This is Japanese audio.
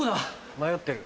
迷ってる。